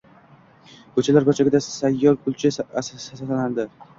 Ko’chalar burchagida sayyor gulchi saslanardi